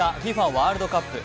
ワールドカップ。